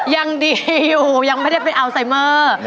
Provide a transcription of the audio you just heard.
ยังดีอยู่ยังไม่ได้ไปอัลไซเมอร์